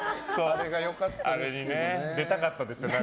あれに出たかったですよ。